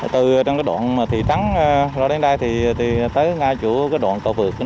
từ đoạn thị trắng đến đây tới ngay chỗ đoạn cậu vượt